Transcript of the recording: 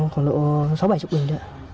khoảng độ sáu bảy chục bình thôi ạ